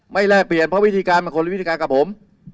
แลกเปลี่ยนเพราะวิธีการมันคนละวิธีการกับผม